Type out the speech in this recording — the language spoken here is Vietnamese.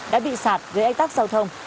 đã bị sạt với ách tắc giao thông